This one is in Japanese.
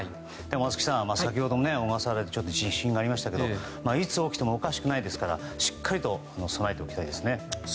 松木さん、先ほども小笠原で地震がありましたけどいつ起きてもおかしくないですからしっかりと備えておきたいですね。